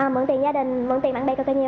mượn tiền gia đình mượn tiền bạn bè cực kỳ nhiều